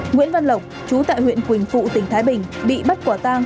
nguyễn văn lộc chú tại huyện quỳnh phụ tỉnh thái bình bị bắt quả tang